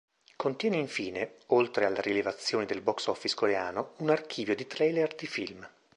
Contiene infine, oltre alle rilevazioni del box-office coreano, un archivio di trailer di film.